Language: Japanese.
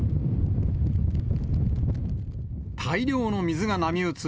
大量の水が波打つ